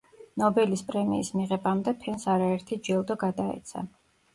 ნობელის პრემიის მიღებამდე ფენს არაერთი ჯილდო გადაეცა.